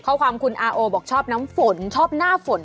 ข้อความคุณอาโอบอกชอบน้ำฝนชอบหน้าฝน